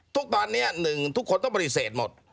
ตอนนี้๑ทุกคนต้องปฏิเสธหมด